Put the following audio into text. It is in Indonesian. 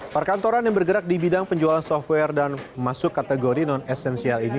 perkantoran yang bergerak di bidang penjualan software dan masuk kategori non esensial ini